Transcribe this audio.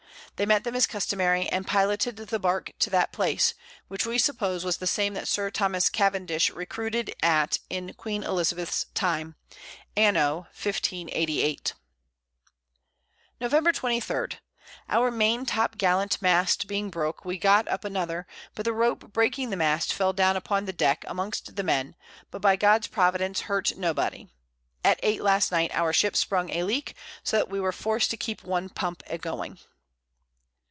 They met them as customary, and pilotted the Bark to that Place, which we suppose was the same that Sir Thomas Cavendish recruited at in Queen Elizabeth's Time, Anno 1588. Nov. 23. Our main Top Gallant Mast being broke, we got up another, but the Rope breaking the Mast fell down upon the Deck, amongst the Men, but by God's Providence hurt no body. At 8 last Night our Ship sprung a Leak; so that we were forced to keep one Pump a going.